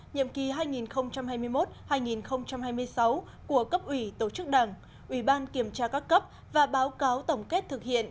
nhiệm kỳ hai nghìn hai mươi một hai nghìn hai mươi sáu của cấp ủy tổ chức đảng ủy ban kiểm tra các cấp và báo cáo tổng kết thực hiện